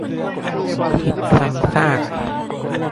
- ผิดซ้ำซาก